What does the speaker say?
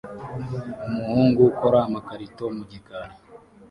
Umuhungu ukora amakarito mu gikari